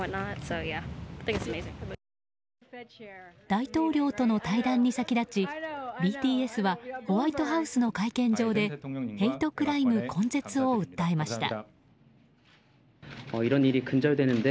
大統領との対談に先立ちＢＴＳはホワイトハウスの会見場でヘイトクライム根絶を訴えました。